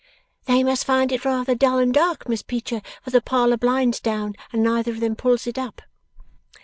'They must find it rather dull and dark, Miss Peecher, for the parlour blind's down, and neither of them pulls it up.